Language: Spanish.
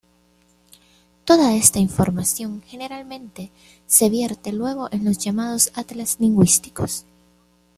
Toda esta información generalmente se vierte luego en los llamados atlas lingüísticos.